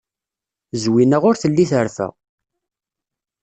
Zwina ur telli terfa.